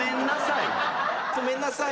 こめんなさい？